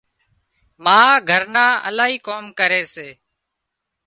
ما گھر نان الاهي ڪام ڪري سي